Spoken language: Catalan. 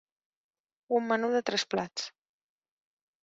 Un menú de tres plats.